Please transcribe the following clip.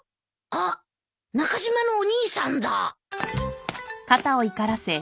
あっ中島のお兄さんだ！